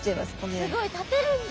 すごい立てるんだ！